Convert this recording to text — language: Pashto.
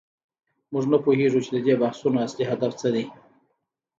موږ نه پوهیږو چې د دې بحثونو اصلي هدف څه دی.